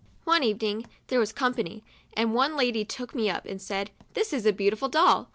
One evening there was company, and one lady took me up, and said, " This is a beautiful doll."